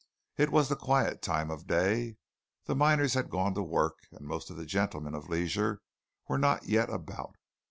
It was the quiet time of day; the miners had gone to work, and most of the gentlemen of leisure were not yet about.